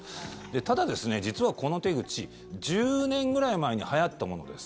ただ、実はこの手口１０年ぐらい前にはやったものです。